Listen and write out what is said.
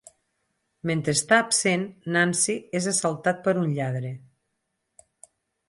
Mentre està absent, Nancy és assaltat per un lladre.